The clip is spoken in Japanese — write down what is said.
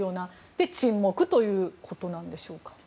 で、沈黙ということでしょうか。